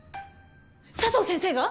佐藤先生が！？